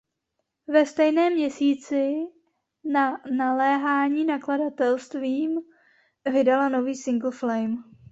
Ve stejném měsíci na naléhání nakladatelstvím vydala nový singl "Flame".